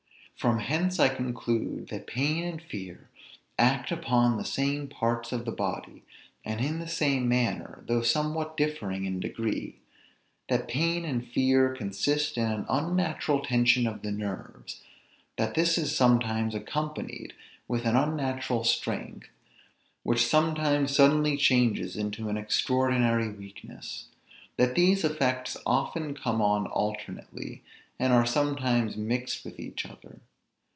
From hence I conclude, that pain and fear act upon the same parts of the body, and in the same manner, though somewhat differing in degree: that pain and fear consist in an unnatural tension of the nerves; that this is sometimes accompanied with an unnatural strength, which sometimes suddenly changes into an extraordinary weakness; that these effects often come on alternately, and are sometimes mixed with each other.